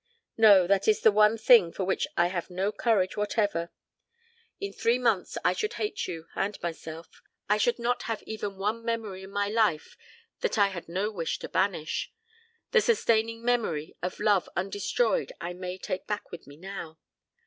"No, that is the one thing for which I have no courage whatever. In three months I should hate you and myself. I should not have even one memory in my life that I had no wish to banish the sustaining memory of love undestroyed I may take back with me now.